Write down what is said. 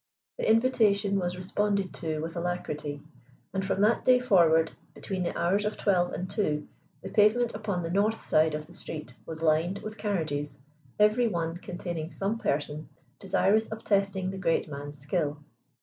The invitation was responded to with alacrity, and from that day forward, between the hours of twelve and two, the pavement upon the north side of the street was lined with carriages, every one containing some person desirous of testing the great man's skill.